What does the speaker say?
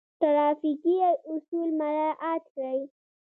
ټرافیکي اصول مراعات کړئ